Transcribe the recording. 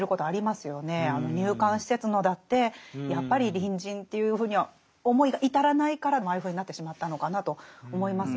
あの入管施設のだってやっぱり隣人というふうには思いが至らないからああいうふうになってしまったのかなと思いますものね。